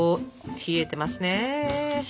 冷えてますね。